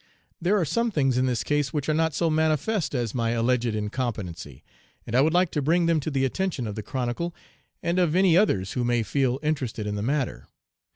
There are some things in this case which are not so manifest as my alleged incompetency, and I would like to bring them to the attention of the Chronicle, and of any others who may feel interested in the matter.